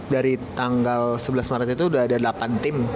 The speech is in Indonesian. dari tanggal sebelas maret itu sudah ada delapan tim